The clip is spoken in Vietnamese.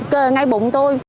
cờ ngay bụng tôi